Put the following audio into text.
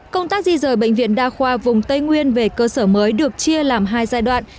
công tác di rời bệnh viện đa khoa vùng tây nguyên về cơ sở mới được chia làm hai giai đoạn